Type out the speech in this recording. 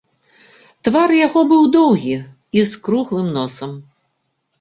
Твар яго быў доўгі і з круглым носам.